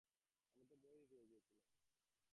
আমি তো ভয়ই পেয়ে গিয়েছিলাম।